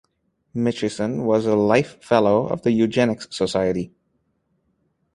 Mitchison was a Life Fellow of the Eugenics Society.